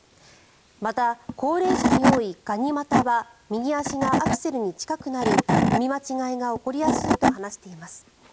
また、高齢者に多いがに股は右足がアクセルに近くなり踏み間違いが起こりやすいと話しています。